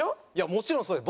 もちろんそうです。